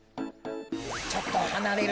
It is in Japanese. ちょっとはなれるのだ。